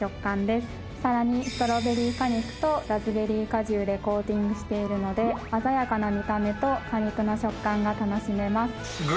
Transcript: さらにストロベリー果肉とラズベリー果汁でコーティングしているので鮮やかな見た目と果肉の食感が楽しめます。